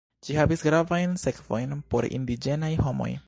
Ĝi havis gravajn sekvojn por indiĝenaj homoj.